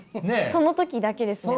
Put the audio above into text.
その時だけですね。